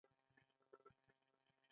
هيڅ کله نه